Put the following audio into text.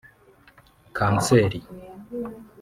Kanseri